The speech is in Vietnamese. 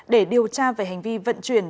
để điều tra về hành vi vận chuyển